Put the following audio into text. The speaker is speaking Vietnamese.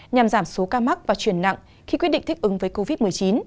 nhằm giảm số ca mắc và chuyển nặng khi quyết định thích ứng với covid một mươi chín